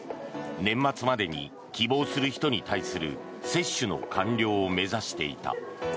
年末までに、希望する人に対する接種の完了を目指していた。